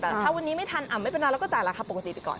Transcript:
แต่ถ้าวันนี้ไม่ทันไม่เป็นไรเราก็จ่ายราคาปกติไปก่อน